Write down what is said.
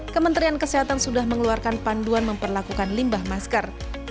kementerian kesehatan sudah mengeluarkan panduan memperlakukan limbah masker